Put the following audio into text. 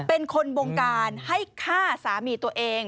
เป็นคนบงการให้ฆ่าสามีตัวเอง